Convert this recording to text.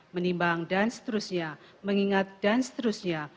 menimbang dan seterusnya mengingat dan seterusnya